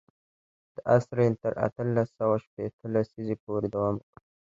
د آس رېل تر اتلس سوه شپېته لسیزې پورې دوام وکړ.